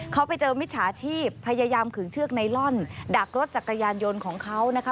เขาไปเจอมิจฉาชีพพยายามขึงเชือกไนลอนดักรถจักรยานยนต์ของเขานะคะ